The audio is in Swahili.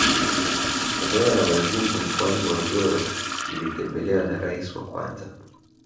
Eneo la Mazimbu mkoani Morogoro lilitembelewa na Rais wa kwanza